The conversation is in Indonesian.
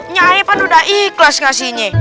nyahe pan udah ikhlas gak sinya